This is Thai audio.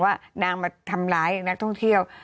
ว่านางมาทำร้ายนักท่องเที่ยว